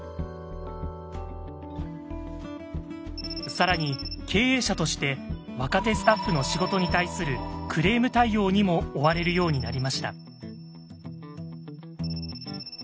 更に経営者として若手スタッフの仕事に対するクレーム対応にも追われるようになりました。